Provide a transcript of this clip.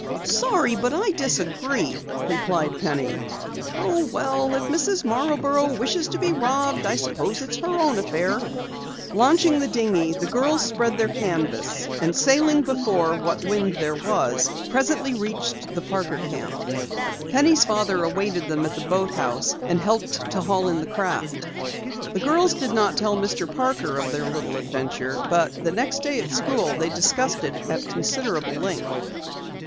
"Sorry, but I disagree," replied Penny. "Oh, well, if Mrs. Marborough wishes to be robbed, I suppose it's her own affair." Launching the dinghy, the girls spread their canvas, and sailing before what wind there was, presently reached the Parker camp. Penny's father awaited them by the boathouse and helped to haul in the craft. The girls did not tell Mr. Parker of their little adventure, but the next day at school they discussed it at considerable length.